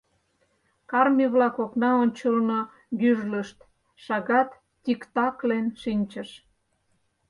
Карме-влак окна ончылно гӱжлышт, шагат тиктаклен шинчыш.